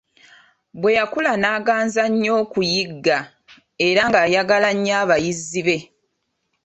Bwe yakula n'aganza nnyo okuyigga, era ng'ayagala nnyo abayizzi be.